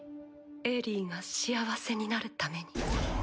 エリィが幸せになるために。